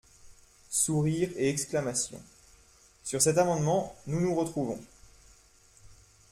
(Sourires et exclamations.) Sur cet amendement, nous nous retrouvons.